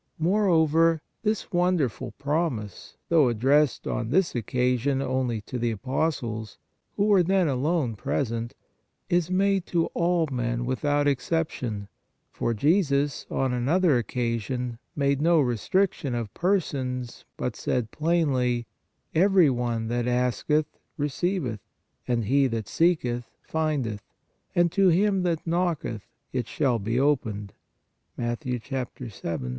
Moreover, this wonderful promise, though addressed on this occasion only to the apostles, who were then alone present, is made to all men without exception, for Jesus, on another occasion, made no restriction of persons, but said plainly: "Every one that asketh, receiveth, and he that seeketh, findeth, and to him that knocketh it shall be opened " (Mat. 7. 8).